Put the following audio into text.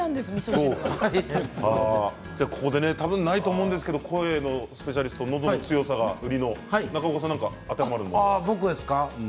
多分ないと思うんですが声のスペシャリスト、のどの強さが売りの中岡さん当てはまるものありますか。